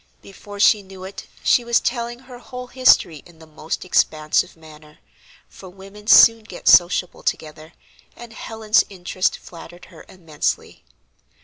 Before she knew it, she was telling her whole history in the most expansive manner, for women soon get sociable together, and Helen's interest flattered her immensely.